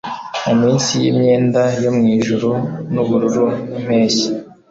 Munsi yimyenda yo mwijuru nubururu nkimpeshyi